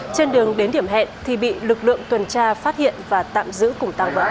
trên đường đến điểm hẹn thì bị lực lượng tuần tra phát hiện và tạm giữ cùng tăng vật